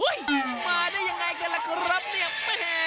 มาได้ยังไงกันล่ะครับเนี่ย